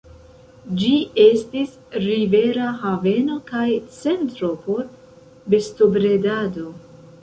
Ĝi estis rivera haveno kaj centro por bestobredado.